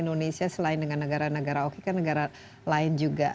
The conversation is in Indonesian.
indonesia selain dengan negara negara oki kan negara lain juga